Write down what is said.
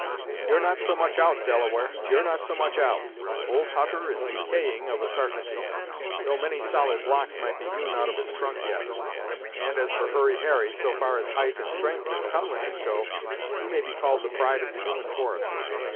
"You're not so much out, Delaware; you're not so much out. Old Hutter is decaying, of a sartainty, though many solid blocks might be hewn out of his trunk yet, and, as for Hurry Harry, so far as height and strength and comeliness go, he may be called the pride of the human forest.